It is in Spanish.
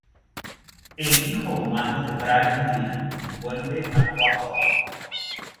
El hijo humano de Brian, Dylan, vuelve a Quahog.